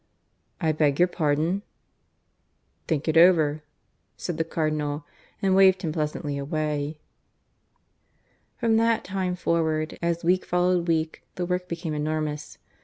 "I beg your pardon?" "Think it over," said the Cardinal, and waved him pleasantly away. From that time forward, as week followed week, the work became enormous.